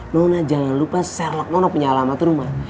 nona jangan lupa sherlock nona punya alamat rumah